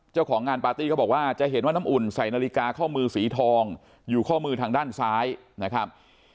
เจ้าของงานปาร์ตี้ก็บอกว่าจะเห็นว่าน้ำอุ่นใส่นาฬิกาข้อมือสีทองอยู่ข้อมือทางด้านซ้ายนะครับ